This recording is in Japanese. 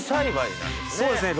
そうですね